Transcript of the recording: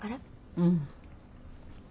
うん。